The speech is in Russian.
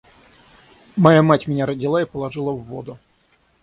Моя мать меня родила и положила в воду.